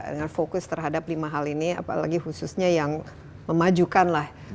dengan fokus terhadap lima hal ini apalagi khususnya yang memajukan lah